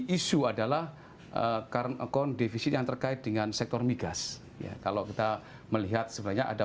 isu adalah current account defisit yang terkait dengan sektor migas ya kalau kita melihat sebenarnya ada